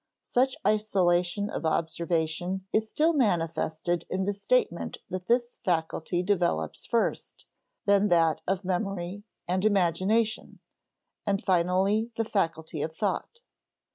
Such isolation of observation is still manifested in the statement that this faculty develops first, then that of memory and imagination, and finally the faculty of thought.